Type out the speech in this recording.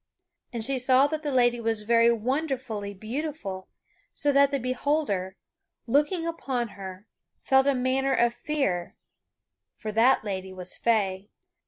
And she saw that the lady was very wonderfully beautiful, so that the beholder, looking upon her, felt a manner of fear for that lady was Fay.